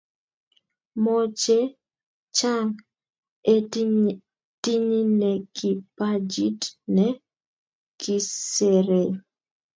Mo che chang e tinyinekipajiit ne kiserei.